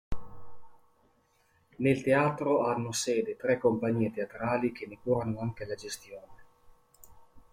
Nel teatro hanno sede tre compagnie teatrali che ne curano anche la gestione.